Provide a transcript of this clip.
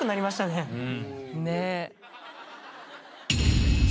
ねえ。